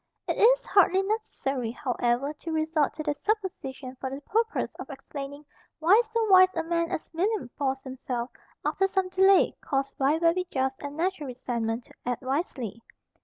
It is hardly necessary, however, to resort to that supposition for the purpose of explaining why so wise a man as William forced himself, after some delay caused by very just and natural resentment, to act wisely.